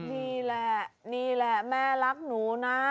นี่แหละนี่แหละแม่รักหนูนะ